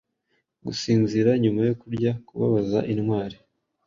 Gusinzira nyuma yo kurya kubabaza intwari